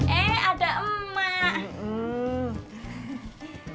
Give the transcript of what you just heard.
eh ada emak